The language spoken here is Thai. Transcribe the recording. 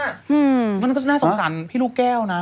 มันก็น่าสงสารพี่ลูกแก้วนะ